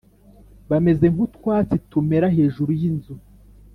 Bameze nk’utwatsi tumera hejuru y’inzu,